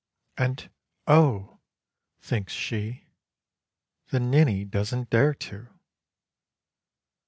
And "Oh," thinks she "the ninny doesn't dare to."